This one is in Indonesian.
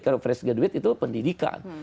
karena fresh graduate itu pendidikan